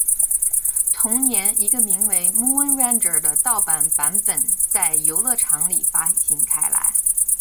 同年，一个名为《Moon Ranger》的盗版版本在游乐场里发行开来。